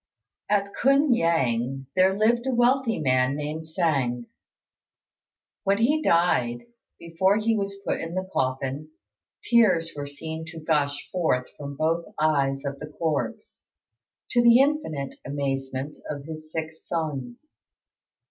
At K'un yang there lived a wealthy man named Tsêng. When he died, and before he was put in the coffin, tears were seen to gush forth from both eyes of the corpse, to the infinite amazement of his six sons.